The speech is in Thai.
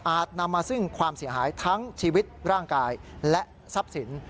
นำมาซึ่งความเสียหายทั้งชีวิตร่างกายและทรัพย์สิน